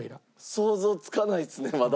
想像つかないですねまだ。